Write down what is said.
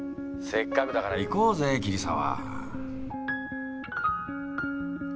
せっかくだから行こうぜ桐沢。